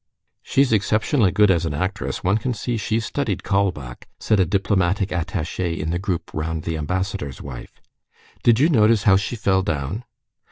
"She's exceptionally good as an actress; one can see she's studied Kaulbach," said a diplomatic attaché in the group round the ambassador's wife. "Did you notice how she fell down?..."